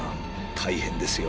大変ですよ。